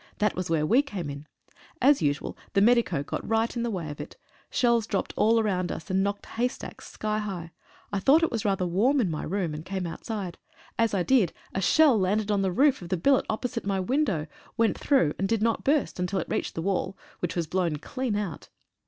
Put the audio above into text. That was where we came in! As usual, the medico got right in the way of it. Shells dropped all around us, and knocked haystacks sky high. I thought it was rather warm in my room and came outside. As I did a shell landed on the roof of the billet opposite my window, went through, and did not burst, until it reached the wall, which was blown clean out.